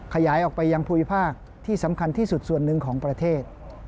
ขยายออกไปยังภูมิภาคที่สำคัญที่สุดส่วนหนึ่งของประเทศ